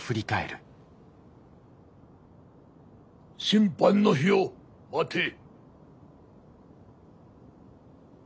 審判の日を待て。